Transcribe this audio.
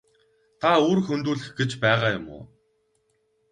Та үр хөндүүлэх гэж байгаа юм уу?